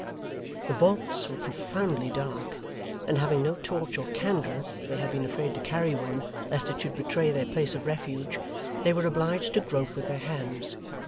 The vaults were profoundly dark, and having no torch or candle for they had been afraid to carry one, lest it should betray their place of refuge they were obliged to grope with their hands.